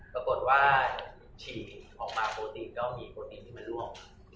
ปรากฏว่าฉีดของหมาโปรตีนก็มีโปรตีนที่มันร่วม